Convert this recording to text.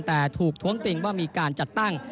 แต่ถูกท้วงติงว่ามีการจัดตั้ง